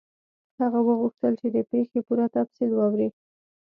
هغه وغوښتل چې د پیښې پوره تفصیل واوري.